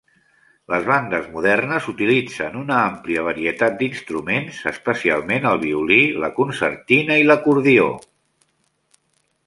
Les bandes modernes utilitzen una àmplia varietat d'instruments, especialment el violí, la concertina i l'acordió.